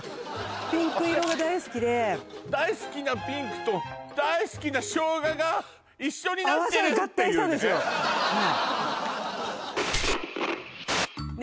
ピンク色が大好きで大好きなピンクと大好きな生姜が一緒になってるっていうね